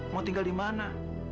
mau tinggal dimana